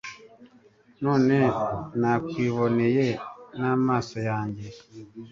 none, nakwiboneye n'amaso yanjye